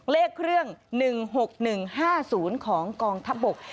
เลขเครื่อง๑๖๑๕๐ของกองทัพบก